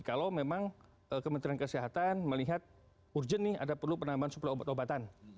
kalau memang kementerian kesehatan melihat urgent nih ada perlu penambahan suplai obat obatan